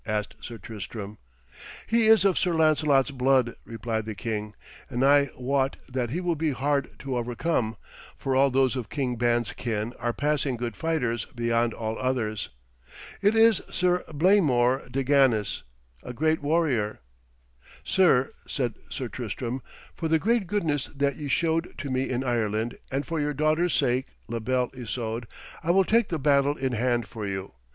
asked Sir Tristram. 'He is of Sir Lancelot's blood,' replied the king, 'and I wot that he will be hard to overcome, for all those of King Ban's kin are passing good fighters beyond all others. It is Sir Blamor de Ganis, a great warrior.' 'Sir,' said Sir Tristram, 'for the great goodness that ye showed to me in Ireland and for your daughter's sake, La Belle Isoude, I will take the battle in hand for you.